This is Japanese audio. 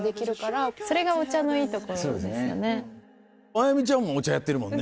あやみちゃんもお茶やってるもんね。